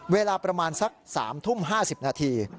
เวลาประมาณสัก๓ทุ่ม๕๐นาที